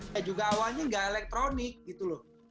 ya juga awalnya nggak elektronik gitu loh